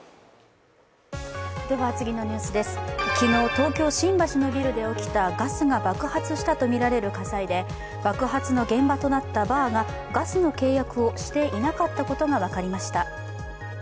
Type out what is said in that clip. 昨日、東京・新橋のビルで起きたガスが爆発したとみられる火災で爆発の現場となったバーがガスの契約をしていなかったことが分かりました。